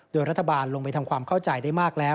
โดยรัฐบาลลงไปทำความเข้าใจได้มากแล้ว